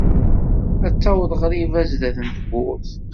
ad d-taweḍ ɣriba sdat n tewwurt.